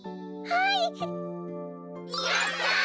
はい？